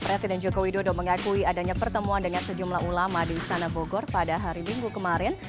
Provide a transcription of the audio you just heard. presiden jokowi dodo mengakui adanya pertemuan dengan sejumlah ulama di istana bogor pada hari minggu kemarin